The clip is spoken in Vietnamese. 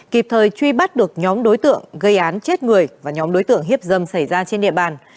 kịp thời truy bắt được nhóm đối tượng gây án chết người và nhóm đối tượng hiếp dâm xảy ra trên địa bàn